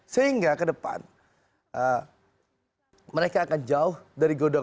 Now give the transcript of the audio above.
sehingga ke depan mereka akan jauh dari goda goda